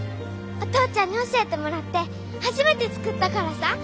お父ちゃんに教えてもらって初めて作ったからさ！